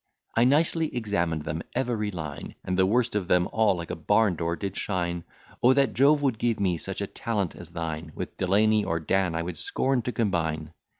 I nicely examined them every line, And the worst of them all like a barn door did shine; O, that Jove would give me such a talent as thine! With Delany or Dan I would scorn to combine.